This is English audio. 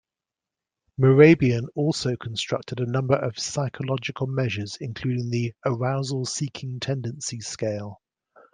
Mehrabian also constructed a number of psychological measures including the "Arousal Seeking Tendency Scale".